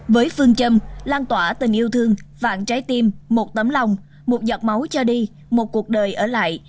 với phương châm lan tỏa tình yêu thương vạn trái tim một tấm lòng một giọt máu cho đi một cuộc đời ở lại